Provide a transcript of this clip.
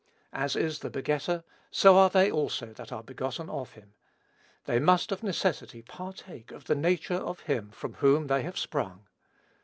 As is the begetter, so are they also that are begotten of him. They must, of necessity, partake of the nature of him from whom they have sprung.